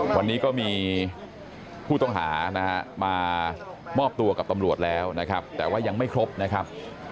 วันนี้ก็มีผู้ต้องหานะฮะมามอบตัวกับตำรวจแล้วนะครับแต่ว่ายังไม่ครบนะครับ